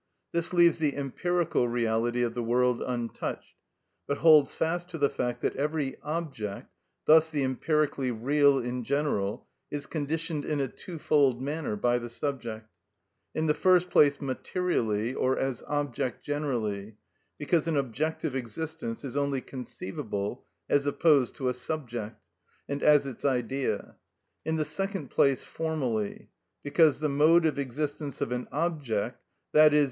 This leaves the empirical reality of the world untouched, but holds fast to the fact that every object, thus the empirically real in general, is conditioned in a twofold manner by the subject; in the first place materially or as object generally, because an objective existence is only conceivable as opposed to a subject, and as its idea; in the second place formally, because the mode of existence of an object, _i.e.